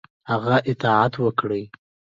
هغه اطاعت وکړي.